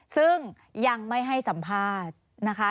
ซึ่งยังไม่ให้สัมภาษณ์นะคะ